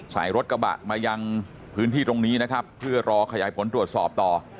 ใส่รถกระบะมายังพื้นที่ตรงนี้นะครับเพื่อรอขยายผลตรวจสอบต่อ